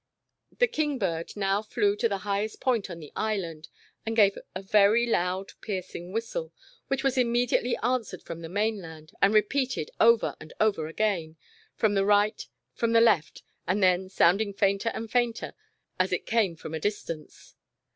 The King bird now flew to the highest point on the Island, and gave a very loud piercing whistle, which was immediately answered from the mainland, and repeated over and over again, from the right, from the left, and then sounding fainter and fainter as it came from a distance.